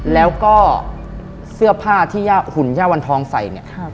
แล้วก็เสื้อผ้าที่ย่าหุ่นย่าวันทองใส่เนี่ย